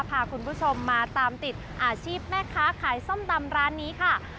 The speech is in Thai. พาคุณผู้ชมมาตามติดอาชีพแม่ค้าขายส้มตำร้านนี้ค่ะ